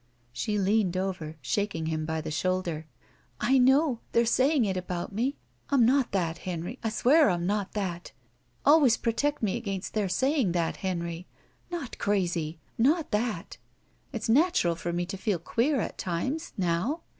She leaned over, shaking him by the shoulder. "I know. They're saying it about me. I'm not that, Henry. I swear I'm not that! Always protect me against their sajring that, Henry. Not crazy — 202 GUILTY not that! It's natural for me to fed queer at times — ^now.